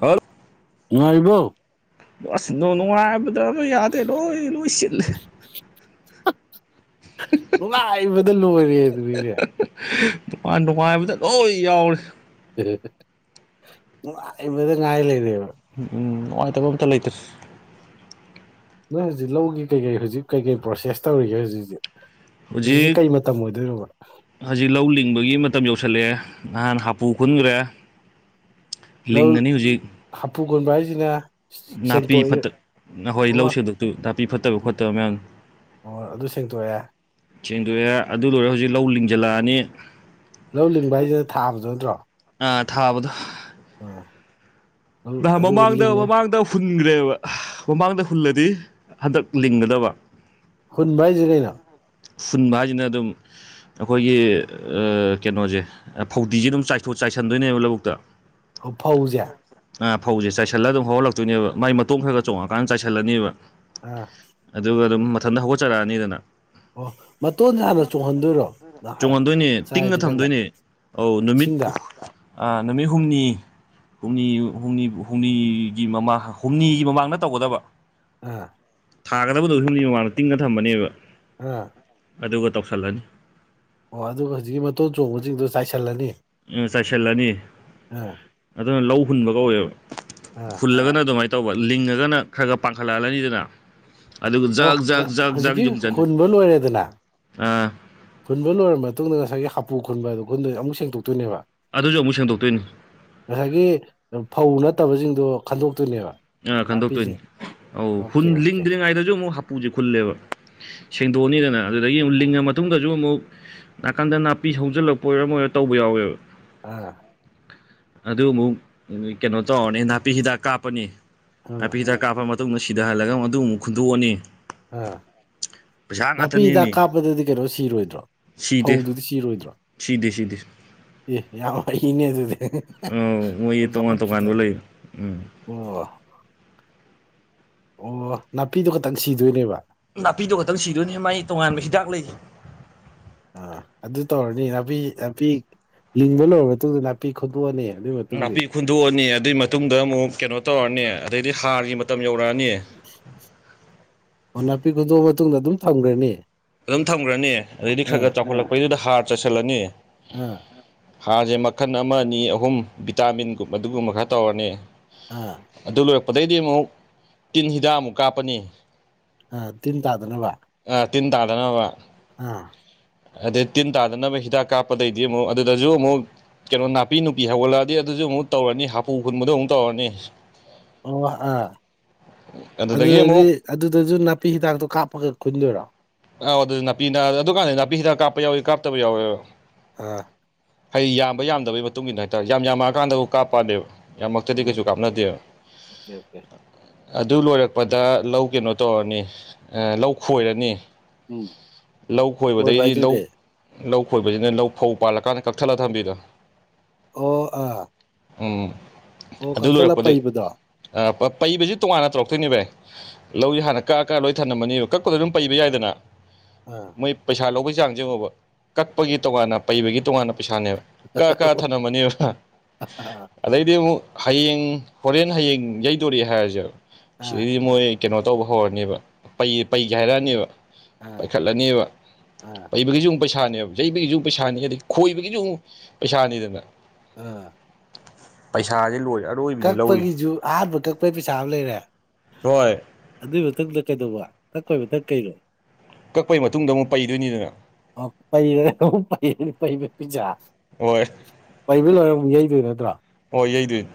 ꯍ ꯅꯉꯔꯤꯕ ꯁ ꯅꯣ ꯅꯨꯡꯉꯥꯏꯕꯗ ꯑꯗꯨ ꯌꯥꯗꯦ ꯂꯣꯏ ꯂꯣꯏ ꯁꯤꯜꯂꯦ ꯍ ꯅꯨꯡꯉꯥꯏꯕꯗ ꯂꯣꯏꯔꯦ ꯑꯗꯨꯒꯤꯔꯦ ꯗꯨꯀꯥꯟ ꯇꯣꯉꯥꯟꯕꯗ ꯂꯣꯏ ꯌꯥꯎꯔꯤꯦ ꯉꯉꯕꯗ ꯉꯥꯏ ꯂꯩꯗꯦꯕ ꯎꯝ ꯎꯝ ꯅꯨꯡꯉꯥꯏꯇꯕ ꯑꯝꯇ ꯂꯩꯇ꯭ꯔꯦ ꯅꯣꯏ ꯍꯧꯖꯤꯛ ꯂꯧꯒꯤ ꯀꯩꯀꯔꯤ ꯍꯧꯖꯤꯛ ꯀꯩꯀꯔꯤ ꯄ꯭ꯔꯣꯁꯦꯁ ꯇꯧꯔꯤꯒꯦ ꯍꯧꯖꯤꯛꯖꯤꯛ ꯍꯧꯖꯤꯛꯁꯦ ꯍꯧꯖꯤꯛ ꯀꯩ ꯃꯇꯝ ꯑꯣꯏꯗꯣꯏꯅꯣꯕ ꯍꯧꯖꯤꯛ ꯂꯧ ꯂꯤꯡꯕꯒꯤ ꯃꯇꯝ ꯌꯧꯁꯤꯜꯂꯛꯑꯦ ꯅꯍꯥꯟ ꯍꯥꯄꯨ ꯈꯨꯟꯈ꯭ꯔꯦ ꯂꯧ ꯂꯤꯡꯉꯅꯤ ꯍꯧꯖꯤꯛ ꯍꯥꯐꯨ ꯀꯣꯟꯕ ꯍꯥꯏꯁꯤꯅ ꯁꯦꯡꯇꯣꯛꯏ ꯅ ꯍꯣꯏ ꯑꯣ ꯂꯧꯁꯤꯡꯗꯁꯨ ꯅꯥꯄꯤ ꯐꯠꯇꯕ ꯈꯣꯠꯇꯕ ꯃꯌꯥꯝ ꯑꯣ ꯑꯗꯨ ꯁꯦꯡꯇꯣꯛꯑꯦ ꯁꯦꯡꯗꯣꯛꯑꯦ ꯑꯗꯨ ꯂꯣꯏꯔꯦ ꯍꯧꯖꯤꯛ ꯂꯧ ꯂꯤꯡꯖꯜꯂꯛꯑꯅꯤ ꯂꯧ ꯂꯤꯡꯕ ꯍꯥꯏꯁꯤꯅ ꯊꯥꯕꯗꯨ ꯅꯠꯇ꯭ꯔꯣ ꯊꯥꯕꯗꯣ ꯎꯝ ꯅꯍ ꯑꯗꯨꯒ ꯃꯃꯥꯡꯗ ꯂꯤꯡꯉꯦ ꯃꯃꯥꯡꯗ ꯍꯨꯟꯈ꯭ꯔꯦꯕ ꯃꯃꯥꯡꯗ ꯍꯨꯜꯂꯗꯤ ꯍꯟꯗꯛ ꯂꯤꯡꯒꯗꯕ ꯍꯨꯟꯕ ꯍꯥꯏꯁꯦ ꯀꯩꯅꯣ ꯐꯟꯕꯖꯤꯅ ꯑꯗꯨꯝ ꯑꯩꯈꯣꯏꯒꯤ ꯀꯩꯅꯣꯁꯦ ꯐꯧꯗꯤꯁꯦ ꯑꯗꯨꯝ ꯆꯥꯏꯁꯤꯟꯗꯣꯏꯅꯦꯕ ꯂꯧꯕꯨꯛꯇ ꯍꯧꯐꯧꯖꯦ ꯑꯥ ꯐꯧꯁꯦ ꯆꯥꯏꯁꯤꯜꯂ ꯑꯗꯨꯝ ꯍꯧꯍꯜꯂꯛꯇꯣꯏꯅꯦꯕ ꯃꯥꯏ ꯃꯇꯣꯡ ꯈꯔ ꯈ ꯆꯣꯡꯉꯀꯥꯟꯗ ꯆꯥꯏꯁꯤꯜꯂꯅꯤꯕ ꯑꯥ ꯑꯗꯨꯒ ꯑꯗꯨꯝ ꯃꯊꯟꯇ ꯍꯧꯒꯠꯆꯔꯛꯑꯅꯤꯗꯅ ꯑꯣ ꯃꯇꯣꯟꯁꯦ ꯍꯥꯟꯅ ꯆꯣꯡꯍꯟꯗꯣꯏꯔꯣ ꯆꯣꯡꯍꯟꯗꯣꯏꯅꯦ ꯇꯤꯡꯅ ꯆꯥꯏꯗ꯭ꯔꯤꯀꯥꯟꯗ ꯊꯝꯗꯣꯏꯅꯦ ꯑꯧ ꯅꯨꯃꯤꯠ ꯏꯁꯤꯡꯗ ꯅꯨꯃꯤꯠ ꯍꯨꯝꯅꯤ ꯍꯨꯝꯅꯤ ꯨꯝꯅꯤ ꯍꯨꯝꯅꯤꯒꯤ ꯃꯃꯥꯡ ꯍꯨꯝꯅꯤꯒꯤ ꯃꯃꯥꯡꯗ ꯇꯧꯒꯗꯕ ꯎꯥ ꯊꯥꯒꯗꯕꯗꯣ ꯌꯨꯝꯅꯤ ꯃꯃꯥꯡꯗ ꯇꯤꯡꯉ ꯊꯝꯕꯅꯦꯕ ꯑꯥ ꯑꯗꯨꯒ ꯇꯧꯁꯜꯂꯅꯤ ꯑꯣ ꯑꯗꯨꯒ ꯍꯧꯖꯤꯛꯀꯤ ꯃꯇꯣꯟ ꯆꯣꯡꯕꯁꯤꯡꯗꯣ ꯆꯥꯏꯁꯤꯜꯂꯅꯤ ꯎꯝ ꯁꯠꯁꯤꯂꯥꯅꯤ ꯑꯥ ꯑꯗꯨꯅ ꯂꯧ ꯍꯨꯟꯕ ꯀꯧꯋꯦꯕ ꯑ ꯐꯨꯜꯂꯒꯅ ꯑꯗꯨꯃꯥꯏꯅ ꯇꯧꯕ ꯂꯤꯡꯉꯒꯅ ꯈꯔ ꯈꯔ ꯄꯥꯡꯈꯠꯂꯛꯍꯜꯂꯅꯤꯗꯅ ꯑꯗꯨꯒ ꯑꯣ ꯖꯛ ꯖꯛ ꯖꯛ ꯖꯛ ꯍꯧꯖꯤꯛꯀꯤ ꯌꯨꯡꯖꯟ ꯍꯨꯟꯕ ꯂꯣꯏꯔꯦꯗꯅ ꯑꯥ ꯈꯨꯟꯕ ꯂꯣꯏꯔꯕ ꯃꯇꯨꯡꯗ ꯉꯁꯥꯏꯒꯤ ꯍꯥꯄꯨ ꯈꯨꯟꯕ ꯑꯗꯨꯣ ꯈꯨꯟ ꯑꯃꯨꯛ ꯁꯦꯡꯗꯣꯛꯇꯣꯏꯅꯦꯕ ꯑꯗꯨꯁꯨ ꯑꯃꯨꯛ ꯁꯦꯡꯗꯣꯛꯇꯣꯏꯅꯤ ꯉꯁꯥꯏꯒꯤ ꯐꯧ ꯅꯠꯇꯕꯁꯤꯡꯗꯣ ꯈꯟꯗꯣꯛꯇꯣꯏꯅꯦꯕ ꯑꯥ ꯈꯟꯗꯣꯛꯇꯣꯏꯅꯤ ꯅꯥꯄꯤꯁꯤꯡ ꯑꯧꯟ ꯑꯣꯀꯦ ꯑꯣꯀꯦ ꯂꯤꯡꯗ꯭ꯔꯤꯉꯩꯗꯁꯨ ꯑꯃꯨꯛ ꯍꯥꯄꯨꯁꯦ ꯈꯨꯜꯂꯦꯕ ꯁꯦꯡꯗꯣꯛꯑꯅꯤꯗꯅ ꯑꯗꯨꯗꯒꯤ ꯑꯃꯨꯛ ꯂꯤꯡꯉ ꯃꯇꯨꯡꯗꯁꯨ ꯑꯃꯨꯛ ꯅꯥꯀꯟꯗ ꯅꯥꯄꯤ ꯁꯧꯖꯤꯜꯂꯛꯄ ꯑꯣꯏꯔ ꯑꯃ ꯑꯣꯏꯔꯣ ꯇꯧꯕ ꯌꯥꯎꯋꯦꯕ ꯑꯥ ꯑꯗꯨ ꯑꯃꯨꯛ ꯀꯩꯅꯣ ꯇꯧꯔꯅꯤ ꯅꯥꯄꯤ ꯍꯤꯗꯥꯛ ꯀꯥꯞꯄꯅꯤ ꯑꯥ ꯅꯥꯄꯤ ꯍꯤꯗꯥꯛ ꯀꯥꯞꯄ ꯃꯇꯨꯡꯗ ꯁꯤꯗꯍꯜꯂꯒ ꯃꯗꯨ ꯑꯃꯨꯛ ꯈꯨꯨꯟꯗꯣꯛꯑꯅꯤ ꯑꯥ ꯅꯥꯄꯤ ꯍꯤꯗꯥꯛ ꯉꯥꯛꯇꯅꯦꯃꯤ ꯀꯥꯞꯄꯗꯗꯤ ꯀꯩꯅꯣ ꯁꯤꯔꯣꯏꯗ꯭ꯔꯣ ꯁꯤꯗꯦ ꯐꯧꯗꯨꯗꯤ ꯁꯤꯔꯣꯏꯗ꯭ꯔꯣ ꯁꯤꯗꯦ ꯁꯤꯗꯦ ꯑꯦ ꯌꯥꯝ ꯋꯥꯩꯅꯦ ꯑꯗꯨꯗꯤ ꯑ ꯃꯣꯏ ꯌꯥꯝ ꯇꯣꯉꯥꯟ ꯇꯣꯉꯥꯟꯕ ꯂꯩ ꯆꯥꯎꯈꯠꯄꯖꯥꯠꯅꯤ ꯎꯝ ꯑꯣ ꯑꯣ ꯅꯥꯄꯤꯗꯨꯣ ꯈꯇꯪ ꯁꯤꯗꯣꯏꯅꯦꯕ ꯅꯥꯄꯤꯗꯣ ꯈꯛꯇꯪ ꯁꯤꯗꯣꯏꯅꯦ ꯃꯒꯤ ꯇꯣꯉꯥꯟꯕ ꯍꯤꯗꯥꯛ ꯂꯩ ꯑꯥ ꯑꯗꯨ ꯇꯧꯔꯅꯤ ꯅꯥꯄꯤ ꯅꯥꯄꯤ ꯂꯤꯡꯕ ꯂꯣꯏꯔꯕ ꯃꯇꯨꯡꯗ ꯅꯥꯄꯤ ꯄꯄꯤ ꯈꯨꯗꯣꯛꯑꯅꯤ ꯑꯗꯨꯒꯤ ꯃꯇꯨꯡꯗꯤ ꯍꯨꯟꯗꯣꯛꯑꯅꯤ ꯑꯗꯨꯏ ꯃꯇꯨꯡꯗ ꯑꯃꯨꯛ ꯀꯩꯅꯣ ꯇꯧꯔꯛꯅꯤ ꯑꯗꯩꯗꯤ ꯍꯥꯔꯒꯤ ꯃꯇꯝ ꯌꯧꯔꯛꯑꯅꯤ ꯑꯣ ꯅꯥꯄꯤ ꯈꯨꯗꯣꯛꯑ ꯃꯇꯨꯡꯗ ꯑꯗꯨꯝ ꯊꯝꯈ꯭ꯔꯅꯤ ꯑꯗꯨꯝ ꯊꯝꯈ꯭ꯔꯅꯤ ꯑꯗꯩꯗꯤ ꯈꯔ ꯑꯥ ꯈꯔ ꯆꯥꯎꯈꯠꯂꯛꯄꯩꯗꯨꯗ ꯍꯥꯔ ꯆꯥꯏꯁꯤꯜꯂꯅꯤ ꯑꯥ ꯍꯥꯁꯦ ꯃꯈꯜ ꯑꯃ ꯑꯅꯤ ꯑꯍꯨꯝ ꯚꯤꯇꯥꯃꯤꯟꯒꯨꯝꯕ ꯑꯗꯨꯒꯨꯝꯕ ꯈꯔ ꯇꯧꯔꯅꯤ ꯑꯥ ꯑꯗꯨ ꯂꯣꯏꯔꯛꯄꯗꯩꯗꯤ ꯑꯃꯨꯛ ꯇꯤꯟ ꯍꯤꯗꯥꯛ ꯑꯃꯨꯛ ꯀꯥꯞꯄꯅꯤ ꯑ ꯇꯤꯟ ꯇꯥꯗꯅꯕ ꯑ ꯇꯤꯟ ꯇꯥꯗꯅꯕ ꯑꯥ ꯑꯗꯩ ꯇꯤꯟ ꯇꯥꯗꯅꯕ ꯍꯤꯗꯥꯛ ꯀꯥꯞꯄꯗꯩꯗꯤ ꯑꯃꯨꯛ ꯑꯗꯨꯗꯁꯨ ꯑꯃꯨꯛ ꯀꯩꯅꯣ ꯅꯥꯄꯤ ꯅꯨꯄꯤ ꯍꯧꯒꯠꯂꯛꯑꯗꯤ ꯑꯗꯨꯁꯨ ꯑꯃꯨꯛ ꯇꯧꯔꯅꯤ ꯍꯥꯄꯨ ꯈꯨꯟꯕꯗꯣ ꯑꯃꯨꯛ ꯇꯧꯔꯅꯤ ꯑꯣ ꯑꯥ ꯑꯗꯨꯗꯒꯤ ꯑꯗꯨꯗꯤ ꯑꯃꯨꯛ ꯑꯗꯨꯗꯁꯨ ꯅꯥꯄꯤ ꯍꯤꯗꯥꯛꯇꯣ ꯀꯥꯞꯄꯒ ꯈꯨꯟꯗꯣꯏꯔꯣ ꯑꯥꯎ ꯑꯗꯨ ꯅꯥꯄꯤꯅ ꯑꯗꯨꯀꯥꯟꯗ ꯅꯥꯄꯤꯁꯤꯗ ꯀꯥꯞꯄ ꯌꯥꯎꯋꯏ ꯀꯥꯞꯇꯕ ꯌꯥꯎꯋꯦ ꯑ ꯍꯩ ꯌꯥꯝꯕ ꯌꯥꯝꯗꯕꯒꯤ ꯃꯇꯨꯡ ꯏꯟꯅ ꯍꯥꯏꯇꯥꯔꯦ ꯌꯥꯝꯃꯛꯑꯀꯥꯟꯗꯕꯨ ꯀꯥꯞꯄꯛꯅꯦꯕ ꯌꯥꯝꯃꯛꯇꯗꯤ ꯑꯣ ꯀꯩꯁꯨ ꯀꯥꯞꯅꯗꯦꯕ ꯑꯣꯀꯦ ꯑꯣꯀꯦ ꯑꯗꯨ ꯂꯣꯏꯔꯛꯄꯗ ꯂꯧ ꯀꯩꯅꯣ ꯇꯧꯔꯅꯤ ꯂꯧ ꯈꯣꯏꯔꯅꯤ ꯎꯝ ꯂꯧ ꯀꯣꯏꯕ ꯈꯣꯏꯕꯗꯩꯗꯤ ꯍꯥꯏꯁꯤꯅ ꯂꯧ ꯀꯩ ꯂꯧ ꯈꯣꯏꯕꯁꯤꯅ ꯂꯧ ꯐꯧ ꯄꯥꯜꯂꯀꯥꯟꯗ ꯀꯛꯊꯠꯂꯒ ꯊꯝꯕꯤꯗꯣ ꯑꯣ ꯑ ꯎꯝ ꯑꯗꯨ ꯂꯣꯏꯔꯛꯄꯗꯩ ꯄꯩꯕꯗꯣ ꯑꯥ ꯄꯩꯕꯁꯤ ꯇꯣꯉꯥꯟꯅ ꯇꯧꯔꯛꯇꯣꯏꯅꯦ ꯚꯥꯏ ꯂꯧꯁꯦ ꯍꯥꯟꯅ ꯀꯛꯑ ꯀꯥꯟ ꯂꯣꯏ ꯊꯂꯝꯃꯅꯤꯣ ꯀꯛꯄꯗꯣ ꯑꯗꯨꯝ ꯄꯩꯕ ꯌꯥꯏꯗꯅ ꯑꯣ ꯏ ꯄꯩꯁꯥ ꯂꯧꯕꯒꯤ ꯆꯥꯡꯁ ꯌꯦꯡꯉꯣꯕ ꯀꯛꯄꯒꯤ ꯇꯣꯉꯥꯟꯅ ꯄꯩꯕꯒꯤ ꯇꯣꯉꯥꯟꯅ ꯄꯩꯁꯥꯅꯦꯕ ꯀ ꯊꯅꯝꯃꯅꯤꯕ ꯑꯥ ꯑꯗꯩꯗꯤ ꯑꯃꯨꯛ ꯍꯌꯦꯡ ꯍꯣꯔꯦꯟ ꯍꯌꯦꯡ ꯌꯩꯗꯣꯔꯛꯑꯦ ꯍꯥꯏꯔꯁꯦꯕ ꯑꯥ ꯁꯤꯗꯩ ꯃꯣꯏ ꯀꯩꯅꯣ ꯇꯧꯕ ꯍꯧꯔꯅꯦꯕ ꯄꯩ ꯄꯩꯒꯦ ꯍꯥꯏꯔꯛꯑꯅꯦꯕ ꯑꯥ ꯄꯥꯏꯈꯠꯂꯅꯦꯕ ꯑꯥ ꯄꯩꯕꯒꯤꯁꯨꯨ ꯄꯩꯁꯥꯅꯦꯕ ꯌꯩꯕꯒꯤꯁꯨ ꯄꯩꯁꯥꯅꯤ ꯑꯗꯩ ꯈꯣꯏꯕꯒꯤꯁꯨ ꯑꯃꯨꯛ ꯄꯩꯁꯥꯅꯤꯗꯅ ꯑꯥ ꯄꯩꯁꯥꯖꯦ ꯂꯣꯏꯔꯛ ꯀꯛꯄꯒꯤꯖꯨ ꯑꯍꯥꯟꯕ ꯀꯛꯄꯒꯤ ꯄꯩꯁꯥ ꯑꯃ ꯂꯩꯔꯦ ꯍꯣꯏ ꯑꯗꯨꯏ ꯃꯇꯨꯡꯗꯨꯗ ꯀꯩꯗꯧꯕ ꯀꯛꯄꯩ ꯃꯊꯪ ꯀꯩꯅꯣ ꯀꯛꯄꯩ ꯃꯇꯨꯡꯗ ꯑꯃꯨꯛ ꯄꯩꯗꯣꯏꯅꯤꯗꯅ ꯑꯣ ꯄꯩꯔ ꯑꯃꯨꯛ ꯄꯩꯕꯩ ꯄꯩꯁꯥ ꯍꯣꯏ ꯄꯩꯕ ꯂꯣꯏꯔ ꯑꯃꯨꯛ ꯌꯩꯗꯣꯏ ꯅꯠꯇ꯭ꯔꯣ ꯍꯣꯏ ꯌꯩꯗꯣꯏꯅꯤ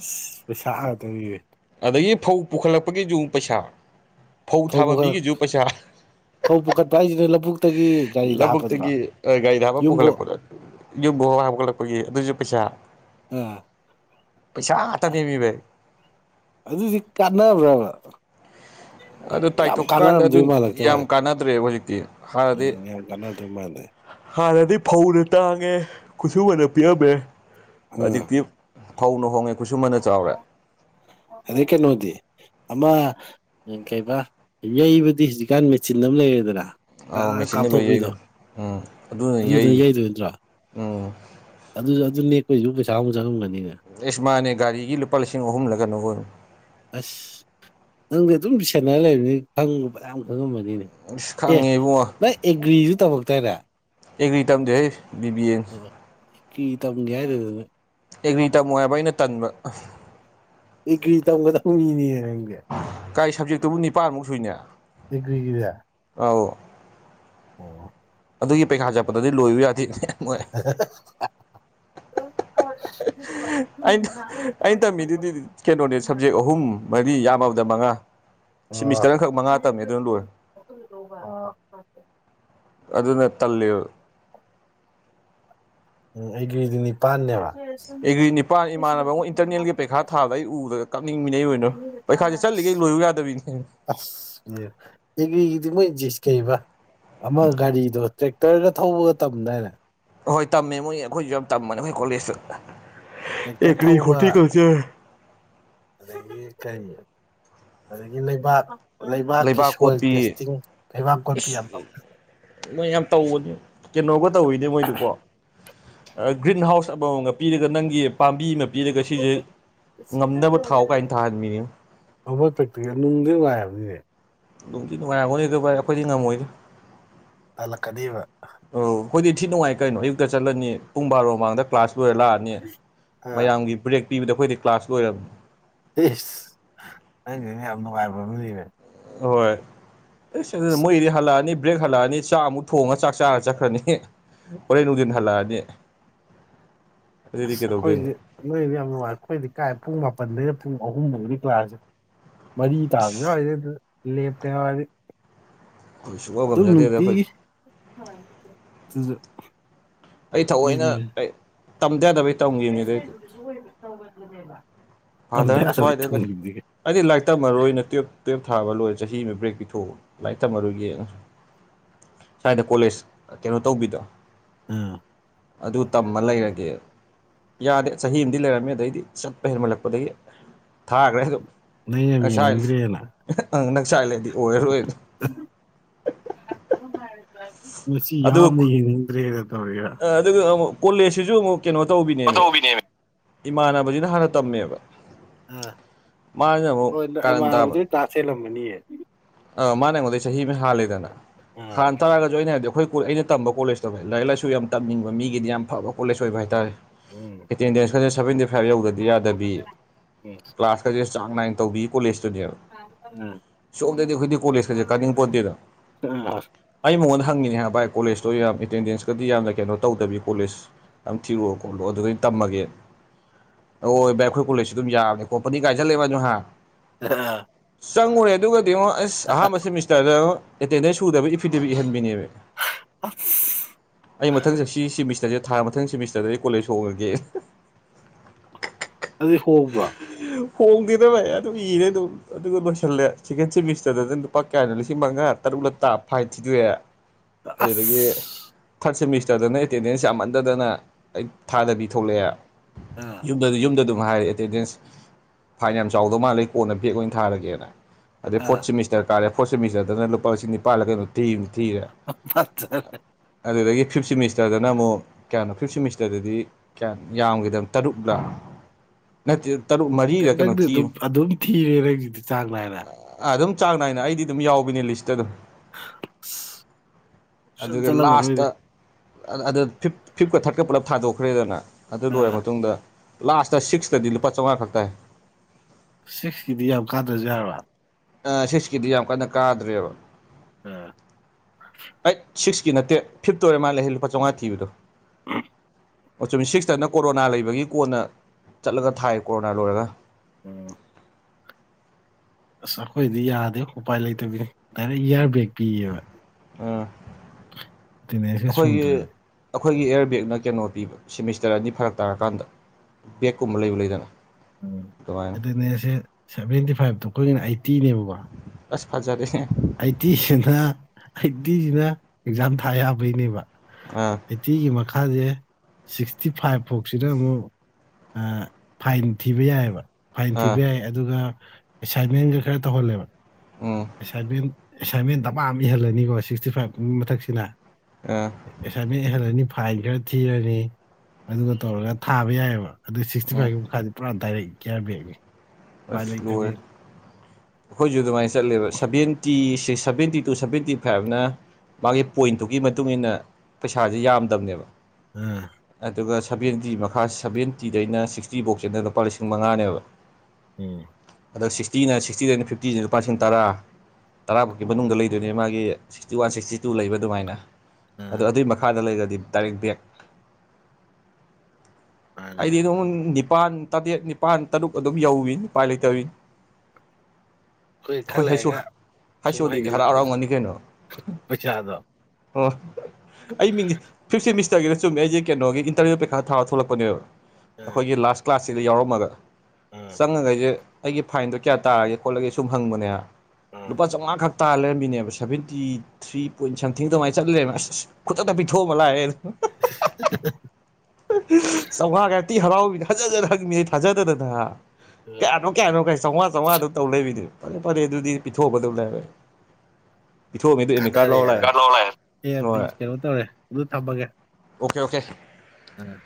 ꯏꯁ ꯄꯩꯁꯥ ꯉꯥꯛꯇꯥꯅꯤꯅꯦ ꯑꯗꯒꯤ ꯐꯧ ꯄꯨꯈꯠꯂꯛꯄꯒꯤꯁꯨ ꯄꯩꯁꯥ ꯐꯧ ꯊꯥꯕ ꯄꯨꯈꯠ ꯃꯤꯒꯤꯁꯨ ꯄꯩꯁꯥ ꯐꯧ ꯄꯨꯈꯠꯄ ꯍꯥꯏꯖꯤꯗ ꯂꯧꯕꯨꯛ ꯂꯧꯕꯨꯛꯇꯒꯤ ꯒꯥꯔꯤꯗ ꯍꯥꯕ ꯌꯨꯝꯕꯨ ꯄꯨꯈꯠꯂꯛꯄꯗꯣ ꯌꯨꯝꯕꯨꯛ ꯍꯥꯞꯒꯠꯂꯛꯄꯒꯤ ꯑꯗꯨꯁꯨ ꯄꯩꯁꯥ ꯑꯥ ꯄꯩꯁꯥ ꯉꯥꯛꯇꯅꯤꯃꯦ ꯚꯩ ꯑꯗꯨꯗꯤ ꯀꯥꯟꯅꯕ꯭ꯔꯕ ꯑꯗꯨ ꯌꯥꯝ ꯇꯥꯏꯊꯣꯛꯄ ꯀꯥꯟꯗ ꯑꯗꯨ ꯀꯥꯟꯅꯔꯝꯗꯣꯏ ꯃꯥꯜꯂꯛꯇ ꯌꯥꯝ ꯃꯥꯜꯂꯦ ꯀꯥꯟꯅꯗ꯭ꯔꯦꯕ ꯍꯧꯖꯤꯛꯇꯤ ꯍꯥꯟꯅꯗꯤ ꯎꯝ ꯌꯥꯝ ꯀꯥꯟꯅꯗꯔꯥ ꯃꯥꯜꯂꯦ ꯍꯥꯟꯅꯗꯤ ꯐꯧꯅ ꯇꯥꯡꯉꯦ ꯈꯨꯠꯁꯨꯃꯟꯅ ꯄꯤꯛꯑꯝꯃꯦ ꯎꯝ ꯍꯧꯖꯤꯛꯇꯤ ꯐꯧꯅ ꯍꯣꯡꯉꯦ ꯈꯨꯠꯁꯨꯃꯟꯅ ꯆꯥꯎꯔꯦ ꯑꯗꯩ ꯀꯩꯅꯣꯗꯤ ꯑꯃ ꯌꯥꯡ ꯀꯩꯕ ꯌꯩꯕꯗꯤ ꯍꯧꯖꯤꯛꯀꯥꯟ ꯃꯦꯆꯤꯟ ꯑꯃ ꯂꯩꯔꯦꯗꯅ ꯑꯥꯎ ꯑꯥ ꯃꯦꯆꯤꯟꯅ ꯂꯣꯏ ꯀꯥꯞꯊꯣꯛꯄꯤꯗꯣ ꯌꯒꯔꯥꯃꯤ ꯎꯝ ꯑꯗꯨꯅ ꯑꯗꯨꯗꯨꯅ ꯌꯩ ꯎꯝ ꯑꯗꯨꯖꯨ ꯑꯗꯨ ꯅꯦꯛꯄꯩꯖꯨ ꯄꯩꯁꯥ ꯑꯃꯨꯛ ꯆꯪꯉꯝꯒꯅꯤꯅꯦ ꯏꯁꯃꯥꯅꯦ ꯒꯥꯔꯤꯒꯤ ꯂꯨꯄꯥ ꯂꯤꯁꯤꯡ ꯑꯍꯨꯝꯂ ꯀꯩꯅꯣ ꯑꯣꯏ ꯑꯁ ꯅꯪꯗꯤ ꯑꯗꯨꯝ ꯁꯦꯅꯥꯔ ꯂꯩꯕꯅꯤ ꯈꯪꯕ ꯌꯥꯝ ꯈꯪꯉꯃꯅꯤꯅꯦ ꯑꯁ ꯑꯦ ꯈꯪꯉꯦ ꯏꯕꯨꯡꯉꯣ ꯅꯪ ꯑꯦꯒ꯭ꯔꯤꯖꯨ ꯇꯧꯃꯛꯇꯥꯏꯅꯦ ꯑꯦꯒ꯭ꯔꯤ ꯇꯥꯝꯗꯦ ꯍꯩ ꯕꯤ ꯕꯤ ꯑꯦ ꯑꯣ ꯀ꯭ꯔꯤ ꯇꯝꯒꯦ ꯍꯥꯏꯗꯥꯗꯅ ꯑꯦꯒ꯭ꯔꯤ ꯇꯝꯃꯣ ꯍꯥꯏꯕ ꯑꯩꯅ ꯇꯟꯕ ꯑꯦꯒ꯭ꯔꯤ ꯇꯧꯒꯗꯕ ꯃꯤꯅꯦ ꯅꯪꯖꯦ ꯀꯥꯏ ꯁꯕꯖꯦꯛꯇꯨꯕꯨ ꯅꯤꯄꯥꯟꯃꯨꯛ ꯁꯨꯏꯅꯦ ꯑꯦꯒ꯭ꯔꯤꯒꯤꯖꯦ ꯑꯥꯎ ꯑꯣ ꯑꯗꯨꯒꯤ ꯄꯩꯈꯥ ꯆꯠꯄꯗꯗꯤ ꯂꯣꯏꯌꯨ ꯌꯥꯗꯦꯅꯦ ꯃꯣꯏ [unintelligible] ꯑꯩꯅ ꯑꯩꯅ ꯇꯝꯃꯤꯗꯨꯗꯤ ꯀꯩꯅꯣꯅꯦ ꯁꯕꯖꯦꯛ ꯑꯍꯨꯝ ꯃꯔꯤ ꯌꯥꯝꯃꯕꯗ ꯃꯉꯥ ꯑꯣ ꯁꯤꯃꯤꯁꯇꯔ ꯑꯪꯈꯛ ꯃꯉꯥ ꯇꯝꯃꯦ ꯑꯗꯨꯅ ꯂꯣꯏꯔꯦ [unintelligible] ꯑꯗꯨꯅ ꯇꯜꯂꯤꯕ ꯑꯩꯒꯤꯗꯤ ꯅꯤꯄꯥꯟꯅꯦꯕ ꯑꯦꯒ꯭ꯔꯤ ꯅꯤꯄꯥꯟ ꯏꯃꯥꯟꯅꯕ ꯉꯣ ꯏꯟꯇꯔꯅꯦꯜꯒꯤ ꯄꯩꯈꯥ ꯊꯥꯕꯗ ꯑꯩ ꯎꯕꯗꯒ ꯀꯥꯞꯅꯤꯡꯕꯤꯅꯤ ꯑꯩ ꯑꯣꯏꯅ ꯄꯩꯈꯥꯖꯦ ꯆꯠꯂꯤꯒꯩ ꯂꯣꯏꯌꯨ ꯌꯥꯗꯕꯤꯅꯤ ꯑꯁ ꯑꯦꯔꯤꯒꯤꯗꯤ ꯃꯣꯏ ꯖꯤꯁ ꯀꯩꯕ ꯑꯃ ꯒꯥꯔꯤꯗꯣ ꯇ꯭ꯔꯦꯛꯇꯔꯒ ꯊꯧꯕꯒ ꯇꯝꯗꯥꯏꯅ ꯍꯣꯏ ꯇꯝꯃꯦ ꯃꯣꯏ ꯑꯩꯈꯣꯏꯁꯨ ꯌꯥꯝ ꯇꯝꯕꯅꯦ ꯑꯩꯈꯣꯏ ꯀꯣꯂꯦꯖꯇ ꯇ꯭ꯔꯦꯛꯇꯔ ꯑꯦꯒ꯭ꯔꯤ ꯊꯧꯕ ꯍꯣꯔꯇꯤꯀꯜꯆꯔ ꯑꯗꯒꯤ ꯀꯔꯤ ꯑꯗꯒꯤ ꯂꯩꯕꯥꯛ ꯂꯩꯕꯥꯛꯀꯤ ꯂꯩꯕꯥꯛ ꯁꯣꯏꯜ ꯀꯣꯠꯄꯤ ꯇꯦꯁꯇꯤꯡ ꯂꯩꯩꯕꯥꯛ ꯀꯣꯠꯄꯤ ꯌꯥꯝ ꯇꯧ ꯃꯣꯏ ꯌꯥꯝ ꯇꯧꯕꯅꯤ ꯀꯩꯅꯣꯒ ꯇꯧꯋꯤꯅꯦ ꯃꯣꯏꯗꯨꯀꯣ ꯑꯥ ꯒ꯭ꯔꯤꯟ ꯍꯥꯎꯁ ꯑꯃꯝꯃꯝꯒ ꯄꯤꯔꯒ ꯅꯪꯒꯤ ꯄꯥꯝꯕꯤ ꯑꯃ ꯄꯤꯔꯒ ꯁꯤꯖꯦ ꯉꯝꯅꯕ ꯊꯥꯎ ꯀꯥꯏꯅ ꯊꯥꯍꯟꯕꯤꯅꯤꯉꯣ ꯑꯧ ꯃꯣꯏ ꯄ꯭ꯔꯦꯛꯇꯤꯀꯦꯜ ꯅꯨꯡꯗꯤ ꯅꯨꯡꯉꯥꯏ ꯍꯥꯏꯕꯅꯤꯅꯦ ꯅꯨꯡꯗꯤ ꯅꯨꯡꯉꯥꯏꯔꯝꯒꯅꯤ ꯑꯗꯣ ꯕꯥꯏ ꯑꯈꯣꯏꯗꯤ ꯉꯝꯃꯣꯏꯗ ꯇꯜꯂꯛꯀꯅꯤꯕ ꯑꯧ ꯑꯈꯣꯏꯗꯤ ꯊꯤ ꯅꯨꯡꯉꯥꯏ ꯀꯩꯅꯣ ꯑꯌꯨꯛꯇ ꯆꯠꯂꯅꯤ ꯄꯨꯡ ꯕꯥꯔꯣ ꯃꯃꯥꯡꯗ ꯀ꯭ꯂꯥꯁ ꯂꯣꯏꯔ ꯂꯥꯛꯑꯅꯤ ꯃꯅꯤ ꯑ ꯃꯌꯥꯝꯒꯤ ꯕ꯭ꯔꯦꯛ ꯄꯤꯕꯗ ꯑꯩꯈꯣꯏꯗꯤ ꯀ꯭ꯂꯥꯁ ꯂꯣꯏꯔꯕꯅꯤ ꯏ ꯏꯁ ꯅꯪꯒꯤꯗꯤ ꯌꯥꯝ ꯅꯨꯡꯉꯥꯏꯕ ꯑꯃ ꯂꯩꯔꯦ ꯍꯣꯏ ꯏꯁ ꯑꯗꯨꯅ ꯃꯣꯏꯒꯤꯗꯤ ꯍꯜꯂꯛꯑꯅꯤ ꯕ꯭ꯔꯦꯛ ꯍꯜꯂꯛꯑꯅꯤ ꯆꯥꯛ ꯑꯃꯨꯛ ꯊꯣꯡꯉꯒ ꯆꯥꯛ ꯆꯥꯔꯥ ꯆꯠꯈ꯭ꯔꯅꯤ ꯍꯣꯔꯦꯟ ꯅꯨꯡꯗꯤꯟ ꯍꯜꯂꯛꯑꯅꯤ [unintelligible] ꯑꯁ ꯀꯩꯗꯧꯗꯣꯏꯅꯣ ꯑꯈꯣꯏꯁꯦ ꯅꯣꯏꯗꯤ ꯌꯥꯝ ꯅꯨꯡꯉꯥꯏ ꯑꯩꯈꯣꯏꯗꯤ ꯀꯥꯏ ꯄꯨꯡ ꯃꯥꯄꯟꯗꯩꯅ ꯄꯨꯡ ꯑꯍꯨꯝꯕꯧꯗꯤ ꯀ꯭ꯂꯥꯁꯁꯦ ꯃꯔꯤ ꯇꯥꯕꯖꯨ ꯌꯥꯎꯔꯤꯅꯤ ꯑꯗꯨꯗ ꯂꯦꯞꯀ ꯌꯥꯎꯔꯗꯤ ꯑꯩꯈꯣꯏ ꯁꯨꯛꯉꯝ ꯑꯗꯨꯝ ꯉꯝꯖꯗꯦꯗ ꯑꯩꯈꯣꯏ ꯅꯨꯡꯇꯤꯒꯤ ꯑꯗꯨꯖꯨ ꯑꯩ ꯊꯑꯣꯏꯅ ꯑꯩ ꯇꯝꯗ ꯌꯥꯗꯕꯩ ꯇꯝꯒꯤꯕꯅꯤꯗ ꯑꯩꯗꯤ ꯇꯝꯗ ꯐꯥꯗꯔ ꯑꯃꯗꯤ ꯌꯥꯗꯕꯩ ꯁ꯭ꯋꯥꯏꯗ ꯂꯩ ꯇꯝꯒꯤꯕꯅꯤ ꯒꯥꯏ ꯑꯩꯗꯤ ꯂꯥꯏꯔꯤꯛ ꯇꯝꯃꯔꯣꯏꯅ ꯇꯨꯌꯦꯞ ꯇꯨꯌꯦꯜꯞ ꯊꯥꯕ ꯂꯣꯏꯔꯦ ꯆꯍꯤ ꯑꯃ ꯕ꯭ꯔꯦꯛ ꯄꯤꯊꯣꯛꯑꯕ ꯂꯥꯏꯔꯤꯛ ꯇꯝꯃꯔꯣꯏꯒꯦꯅ ꯁ꯭ꯋꯥꯏꯗ ꯀꯣꯂꯦꯖ ꯀꯩꯅꯣ ꯇꯧꯕꯤꯗꯣ ꯑꯥ ꯑꯗꯨ ꯇꯝꯃ ꯂꯩꯔꯒꯦ ꯌꯥꯗꯦ ꯆꯍꯤ ꯑꯃꯗꯤ ꯂꯩꯔꯝꯃꯦ ꯑꯗꯩꯗꯤ ꯆꯠꯄ ꯍꯦꯟꯃꯜꯂꯛꯄꯗꯒꯤ ꯊꯥꯒ꯭ꯔꯦ ꯑꯗꯨꯝ ꯌꯥꯝ ꯅꯪ ꯁꯥꯏ ꯏꯁ ꯌꯦꯡꯅꯤꯡꯗ꯭ꯔꯦꯅ ꯑꯍ ꯑꯪ ꯅꯪ ꯁꯥꯏ ꯂꯩꯔꯗꯤ ꯑꯣꯏꯔꯔꯣꯏꯅ ꯃꯁꯤ ꯑꯗꯨ ꯌꯥꯝꯅ ꯌꯦꯡꯅꯤꯡꯗ꯭ꯔꯦꯅ ꯇꯧꯔꯤꯔꯥ ꯑꯗꯨꯒ ꯑꯃꯨꯛ ꯀꯣꯂꯦꯖꯁꯤꯖꯨ ꯑꯃꯨꯛ ꯀꯩꯅꯣ ꯇꯧꯕꯤꯅꯦꯃꯤ ꯏꯃꯥꯟꯅꯕꯖꯤꯅ ꯍꯥꯟꯅ ꯇꯝꯃꯦꯕ ꯑꯥ ꯃꯥꯁꯤꯅ ꯑꯃꯨꯛ ꯀꯥꯔꯟ ꯇꯥꯕ ꯇꯥꯥꯛꯁ ꯍꯦꯜꯂꯝꯃꯅꯤꯌꯦ ꯑꯥ ꯃꯥꯅ ꯑꯩꯉꯣꯟꯗꯩ ꯆꯍꯤ ꯑꯃ ꯍꯥꯜꯂꯤꯗꯅ ꯑꯥ ꯍꯥꯟ ꯇꯥꯔꯒꯁꯨ ꯑꯩꯅ ꯍꯥꯏꯕꯗꯤ ꯑꯩꯈꯣꯏ ꯀꯣ ꯑꯩꯅ ꯇꯝꯕ ꯀꯣꯂꯦꯖ ꯇꯣ ꯕꯥꯏ ꯂꯥꯏꯔꯤꯛ ꯂꯥꯏꯁꯨ ꯌꯥꯝ ꯇꯝꯅꯤꯡꯕ ꯃꯤꯒꯤꯗꯤ ꯌꯥꯝ ꯐꯕ ꯀꯣꯂꯦꯖ ꯑꯣꯏꯕ ꯍꯥꯏꯇꯥꯔꯦ ꯎꯝ ꯑꯦꯇꯦꯟꯗꯦꯟꯁꯀꯖꯦ ꯁꯚꯦꯟꯇꯤ ꯐꯥꯏꯚ ꯌꯧꯗꯗꯤ ꯌꯥꯗꯕꯤ ꯎꯝ ꯀ꯭ꯂꯥꯁ ꯀꯥꯖꯦ ꯆꯥꯡ ꯅꯥꯏ ꯇꯧꯕꯤ ꯀꯣꯂꯦꯖꯇꯨꯅꯦꯕ ꯎꯝ ꯑꯗꯩꯗꯤ ꯑꯈꯣꯏꯗꯤ ꯀꯣꯂꯦꯖ ꯀꯖꯦ ꯀꯥꯅꯤꯡꯄꯣꯠꯇꯦꯗꯣ ꯎꯝ ꯑꯥ ꯑꯩ ꯃꯉꯣꯟꯗ ꯍꯪꯉꯤꯅꯦ ꯍꯥ ꯚꯥꯏ ꯀꯣꯂꯦꯖꯇꯣ ꯌꯥꯝ ꯑꯦꯇꯦꯟꯗꯦꯟꯁꯀꯗꯤ ꯌꯥꯝꯅ ꯀꯩꯅꯣ ꯇꯧꯗꯕꯤ ꯀꯣꯂꯦꯖ ꯑꯝ ꯊꯤꯔꯛꯑꯣ ꯈꯣꯠꯂꯣ ꯑꯗ ꯑꯣꯏꯅ ꯇꯝꯃꯒꯦ ꯑꯣ ꯑꯣꯏ ꯚꯥꯏ ꯑꯩꯈꯣꯏ ꯀꯣꯂꯦꯁꯁꯨ ꯑꯗꯨꯝ ꯌꯥꯕꯅꯦ ꯈꯣꯠꯄꯅꯤ ꯀꯥ ꯍꯥꯏꯖꯜꯂꯦ ꯃꯥꯖꯨ ꯍꯥ ꯑꯍ ꯑꯥ ꯆꯪꯉꯨꯔꯦ ꯑꯗꯨꯒꯗꯤꯉꯣ ꯑꯁ ꯑꯍꯥꯟꯕ ꯁꯦꯃꯤꯁꯇꯔꯗꯉꯣ ꯑꯦꯇꯦꯟꯗꯦꯟꯁ ꯁꯨꯗꯕꯩ ꯏꯐꯤꯗꯦꯕꯤꯠ ꯏꯍꯟꯕꯤꯅꯦꯃꯤ ꯑꯁ ꯑꯩ ꯃꯊꯪ ꯆꯠ ꯁꯤ ꯁꯤꯃꯤꯁꯇꯔꯖꯦ ꯊꯥ ꯃꯊꯪ ꯁꯦꯃꯤꯁꯇꯔꯗꯩꯗꯤ ꯀꯣꯂꯦꯖ ꯍꯣꯡꯉꯒꯦ ꯑꯍ ꯍ ꯑꯗꯨꯗꯤ ꯍꯣꯡꯕ꯭ꯔꯣ ꯍꯣꯡꯗꯦꯗ ꯚꯥꯏ ꯑꯗꯨꯝ ꯏꯔꯦ ꯑꯗꯨꯝ ꯑꯗꯨꯒ ꯂꯣꯏꯁꯜꯂꯦ ꯁꯦꯀꯦꯟ ꯁꯦꯃꯤꯁꯇꯔꯗꯗ ꯂꯨꯄꯥ ꯀꯌꯥꯅꯣ ꯂꯤꯁꯤꯡ ꯃꯉꯥꯔ ꯇꯔꯨꯛ ꯂ ꯇꯥꯕ ꯐꯥꯏꯟ ꯊꯤꯗꯣꯛꯑꯦ ꯑꯁ ꯑꯗꯨꯗꯒꯤ ꯊꯥꯔꯠ ꯁꯦꯃꯤꯁꯇꯔꯗꯅ ꯑꯦꯇꯦꯟꯗꯦꯟꯁ ꯌꯥꯝꯃꯟꯗꯗꯅ ꯑꯩ ꯊꯥꯗꯕꯤ ꯊꯣꯛꯂꯛꯑꯦ ꯑꯥ ꯌꯨꯝꯗꯗꯤ ꯌꯨꯝꯗ ꯑꯗꯨꯝ ꯍꯥꯏꯔꯦ ꯑꯦꯇꯦꯟꯗꯦꯟꯁ ꯐꯥꯏꯟ ꯌꯥꯝ ꯆꯥꯎꯗꯧ ꯃꯥꯜꯂꯤ ꯀꯣꯟꯅ ꯕꯦꯛ ꯑꯣꯏꯅ ꯊꯥꯔꯒꯦꯅ ꯑꯗꯩ ꯐꯣꯔꯠ ꯑꯥ ꯁꯦꯃꯤꯁꯇꯔ ꯀꯥꯔꯦ ꯐꯣꯔꯠ ꯁꯦꯃꯤꯁꯇꯔꯗꯅ ꯂꯨꯄꯥ ꯂꯤꯁꯤꯡ ꯅꯤꯄꯥꯜꯂ ꯀꯩꯅꯣ ꯊꯤꯒꯤꯕꯅꯤ ꯊꯤꯔꯦ ꯑꯣ ꯐꯖꯔꯦ ꯑꯗꯨꯗꯒꯤ ꯐꯤꯞ ꯁꯦꯃꯤꯁꯇꯔꯗꯅ ꯑꯃꯨꯛ ꯀꯌꯥꯅꯣ ꯐꯤꯞ ꯁꯦꯃꯤꯁꯇꯔꯗꯗꯤ ꯀꯌꯥ ꯌꯥꯝꯒꯤꯗꯕꯅꯤ ꯇꯔꯨꯛꯂ ꯅꯠꯇꯦ ꯇꯔꯨꯛ ꯃꯔꯤꯔ ꯀ- ꯀꯩꯅꯣ ꯅꯪꯗꯤ ꯊꯤ ꯑꯗꯨꯝ ꯑꯗꯨꯝ ꯊꯤꯔꯦ ꯅꯪꯖꯨ ꯆꯥꯡ ꯅꯥꯏꯅ ꯑꯗꯨꯝ ꯆꯥꯡ ꯅꯥꯏꯅ ꯑꯩꯗꯤ ꯑꯗꯨꯝ ꯌꯥꯎꯕꯤꯅꯦ ꯂꯤꯁꯇ ꯑꯗꯨꯝ ꯑꯁ ꯁꯨꯡꯆꯠ ꯑꯗꯨꯒ ꯂꯥꯁꯇ ꯆꯠꯂꯝꯃꯔꯣꯏꯅꯦ ꯑꯗꯨ ꯐꯤꯞ ꯐꯤꯞꯀ ꯊꯥꯔꯠꯀ ꯄꯨꯜꯂꯞ ꯊꯥꯗꯣꯛꯈ꯭ꯔꯦꯗꯅ ꯑꯗꯨ ꯂꯣꯏꯔꯕ ꯑꯥ ꯃꯇꯨꯡꯗ ꯂꯥꯁꯇꯗ ꯁꯤꯛꯁꯇꯗꯤ ꯂꯨꯄꯥ ꯆꯧꯉ ꯈꯛ ꯇꯥꯢ ꯁꯤꯛꯁꯀꯤꯗꯤ ꯌꯥꯝ ꯀꯥꯗ꯭ꯔꯁꯨ ꯌꯥꯔꯕ ꯁꯤꯁꯀꯤꯗꯤ ꯌꯥꯝ ꯀꯟꯅ ꯀꯥꯗ꯭ꯔꯦꯕ ꯑꯥ ꯁꯤꯛꯁꯀꯤ ꯅꯠꯇꯦ ꯐꯤꯞꯇ ꯑꯣꯏꯔꯦ ꯃꯥꯂꯦ ꯂꯨꯄꯥ ꯆꯥꯝꯃꯉꯥ ꯊꯤꯕꯗꯣ ꯑꯣ ꯆꯨꯝꯃꯤ ꯁꯤꯛꯁꯇꯅ ꯀꯣꯔꯣꯅꯥ ꯂꯩꯕꯒꯤ ꯀꯣꯟꯅ ꯆꯠꯂꯒ ꯊꯥꯏ ꯀꯣꯔꯣꯅꯥ ꯂꯣꯏꯔꯒ ꯎꯝ ꯑꯁ ꯑꯩꯈꯣꯏꯗꯤ ꯌꯥꯗꯦ ꯎꯄꯥꯏ ꯂꯩꯇꯕꯤꯅꯤ ꯗꯥꯏꯔꯦꯛ ꯏꯌꯥꯔ ꯕꯦꯒ ꯄꯤꯌꯦꯕ ꯎꯝ ꯑꯦꯇꯦꯟꯗꯦꯟꯁꯀ ꯑꯩꯈꯣꯏꯒꯤ ꯁꯨꯗ꯭ꯔꯗꯤ ꯑꯩꯈꯣꯏꯒꯤ ꯏꯌꯥꯔꯕꯦꯛꯅ ꯀꯩꯅꯣ ꯄꯤꯕ ꯁꯤꯃꯤꯁꯇꯔ ꯑꯅꯤ ꯐꯔꯛ ꯇꯥꯔꯀꯥꯟꯗ ꯕꯦꯛꯀꯨꯝꯕ ꯂꯩꯕ ꯂꯩꯗꯅ ꯎꯝ ꯑꯗꯨꯃꯥꯏꯅ ꯑꯗꯨꯅꯦꯁꯦ ꯁꯚꯦꯟꯇꯤ ꯐꯥꯏꯚꯇꯣ ꯑꯩꯈꯣꯏꯒꯤꯅ ꯑꯩꯠꯇꯤꯅꯦꯕꯀꯣ ꯑꯁ ꯐꯠꯖꯔꯦꯍꯦ ꯑꯥꯢꯇꯤꯁꯤꯅ ꯑꯥꯏꯇꯤꯁꯤꯅ ꯑꯦꯛꯖꯥꯝ ꯊꯥꯏꯕ ꯌꯥꯕꯩꯅꯦꯕ ꯑꯥ ꯑꯩꯠꯇꯤꯒꯤ ꯃꯈꯥꯁꯦ ꯁꯤꯛꯁꯇꯤ ꯐꯥꯏꯚ ꯐꯥꯎꯁꯤꯅ ꯑꯃꯨꯛ ꯐꯥꯏꯟ ꯊꯤꯕ ꯌꯥꯏꯑꯕ ꯐꯥꯏꯟ ꯑꯥ ꯊꯤꯕ ꯌꯥꯏ ꯑꯗꯨꯒ ꯑꯦꯁꯥꯏꯟꯃꯦꯟꯒ ꯈꯔ ꯇꯧꯍꯜꯂꯦꯕ ꯎꯝ ꯑꯦꯁꯥꯏꯟꯃꯦꯟ ꯑꯦꯁꯥꯏꯟꯃꯦꯟ ꯗꯃꯥꯃ ꯏꯍꯜꯂꯅꯤꯀꯣ ꯁꯤꯛꯁꯇꯤ ꯐꯥꯏꯚ ꯀꯨꯝꯕ ꯃꯊꯛꯁꯤꯅ ꯑ ꯑꯦꯁꯥꯏꯟꯃꯦꯟ ꯏꯍꯜꯂꯅꯤ ꯐꯥꯏꯟ ꯈꯔ ꯊꯤꯔꯅꯤ ꯑꯗꯨꯒ ꯇꯧꯔꯒ ꯊꯥꯕ ꯌꯥꯏꯕ ꯑꯗꯨꯒ ꯁꯤꯛꯁꯇꯤ ꯎꯝ ꯐꯥꯏꯚꯀꯤ ꯃꯈꯥꯗꯤ ꯄꯨꯔꯥ ꯗꯥꯏꯔꯦꯛ ꯏꯌꯥꯔꯕꯦꯛꯅꯤ ꯑꯁ ꯂꯣꯏꯔꯦ ꯑꯩꯈꯣꯏꯁꯨ ꯑꯗꯨꯃꯥꯏꯅ ꯆꯠꯂꯦꯕ ꯁꯚꯦꯟ ꯇꯤ ꯁꯤ ꯁꯕꯦꯟꯇꯤ ꯇꯨ ꯁꯕꯦꯟꯇꯤ ꯐꯥꯏꯕꯅ ꯃꯥꯒꯤ ꯄꯣꯏꯟꯠꯇꯨꯒꯤ ꯃꯇꯨꯡ ꯏꯟꯅ ꯄꯩꯁꯥꯁꯦ ꯌꯥꯝꯗꯕꯅꯦꯕ ꯎꯝ ꯑꯗꯨꯒ ꯁꯚꯦꯟꯇꯤ ꯃꯈꯥ ꯁꯚꯦꯟꯇꯤꯗꯩꯅ ꯁꯤꯛꯁꯇꯤ ꯕꯣꯛꯁꯤꯅ ꯂꯨꯄꯥ ꯂꯤꯁꯤꯡ ꯃꯉꯥꯅꯦꯕ ꯎꯝ ꯑꯗꯣ ꯁꯤꯛꯁꯇꯤꯅ ꯁꯤꯛꯁꯇꯤꯗꯩꯅ ꯐꯤꯞꯇꯤꯖꯤꯅ ꯂꯨꯄꯥ ꯂꯤꯁꯤꯡ ꯇꯔꯥ ꯇꯔꯥ ꯐꯥꯎꯛꯀꯤ ꯃꯅꯨꯡꯗ ꯂꯩꯗꯣꯏꯅꯦ ꯃꯥꯒꯤ ꯁꯤꯛꯁꯇꯤ ꯋꯥꯟ ꯁꯤꯛꯁꯇꯤ ꯇꯨ ꯂꯩꯕ ꯑꯗꯨꯃꯥꯏꯅ ꯑꯥ ꯑꯗꯨ ꯑꯗꯨꯏ ꯃꯈꯥꯗ ꯂꯩꯔꯒꯗꯤ ꯗꯥꯢꯔꯦꯛ ꯕꯦꯛ ꯃꯥꯅꯦ ꯑꯩꯗꯤ ꯑꯗꯨꯝ ꯅꯤꯄꯥꯜ ꯇꯔꯦꯠ ꯅꯤꯄꯥꯜ ꯇꯔꯨꯛ ꯑꯗꯨꯝ ꯌꯧꯏ ꯎꯄꯥꯥꯏ ꯂꯩꯇꯕꯤꯅꯤ ꯈꯔ ꯑꯩꯈꯣꯏ ꯂꯩꯔꯒ ꯍꯩꯁ ꯁꯨꯝ ꯑꯣ ꯗꯤꯗꯤ ꯍꯔꯥꯎ ꯍꯩꯒꯠꯂꯛꯄꯗꯣ ꯍꯔꯥꯎꯔꯝꯒꯅꯤ ꯀꯩꯅꯣ ꯄꯩꯁꯥꯗꯣ ꯑꯣ ꯑꯩ ꯃꯤꯡꯁꯦ ꯐꯤꯞ ꯁꯦꯃꯤꯁ ꯆꯨꯝꯃꯦ ꯑꯩꯁꯦ ꯀꯩꯅꯣꯒꯤ ꯏꯟꯇꯔꯅꯦꯜ ꯄꯩꯈꯥ ꯊꯥꯔ ꯊꯣꯛꯂꯛꯄꯅꯦꯕ ꯑꯥ ꯑꯩꯈꯣꯏꯒꯤ ꯂꯥꯁ ꯀ꯭ꯂꯥꯁꯁꯤꯗ ꯌꯥꯎꯔꯝꯃꯒ ꯑꯥ ꯆꯪꯉꯒ ꯑꯩꯁꯦ ꯑꯩꯒꯤ ꯐꯥꯏꯟꯗꯣ ꯀꯌꯥ ꯇꯥꯒꯦ ꯈꯣꯠꯂꯒꯦ ꯁꯨꯝ ꯍꯪꯕꯅꯦ ꯑꯥ ꯂꯨꯄꯥ ꯆꯥꯝꯃꯉꯥ ꯈꯛ ꯇꯥꯔ ꯂꯩꯔꯝꯃꯤꯅꯦꯕ ꯁꯕꯦꯟꯇꯤ ꯊ꯭ꯔꯤ ꯄꯣꯏꯟꯠ ꯁꯝꯊꯤꯡ ꯑꯗꯨꯃꯥꯏꯅ ꯆꯠꯂ ꯂꯩꯔꯝꯃꯦ ꯑꯁ ꯈꯨꯗꯛꯇ ꯄꯤꯊꯣꯛꯑꯝꯃ ꯂꯥꯛꯑꯦ ꯑꯗꯨ [unintelligible] ꯆꯧꯉꯥꯒꯇꯤ ꯍꯔꯥꯎꯕꯤꯗ ꯍꯟꯖꯟ ꯍꯟꯖꯟ ꯍꯪꯉꯤꯅꯦ ꯊꯥꯖꯗꯗꯅ ꯀꯌꯥꯅꯣ ꯀꯌꯥꯅꯣ ꯀꯩ ꯆꯧꯉꯥ ꯆꯧꯉꯥ ꯇꯧ ꯂꯩꯕꯤꯅꯦꯕ ꯐꯔꯦ ꯐꯔꯦ ꯑꯗꯨꯗꯤꯅ ꯄꯤꯊꯣꯛꯑꯝꯃ ꯑꯗꯨꯝ ꯂꯥꯛꯑꯦ ꯀꯥꯟꯅꯔꯦꯅ ꯂꯥꯛꯑꯦ ꯑꯦ ꯍꯣꯏ ꯀꯩꯅꯣ ꯇꯧꯔꯦ ꯑꯗꯨ ꯊꯝꯃꯒꯦ ꯑꯣꯀꯦ ꯑꯣꯀꯦ ꯎꯝ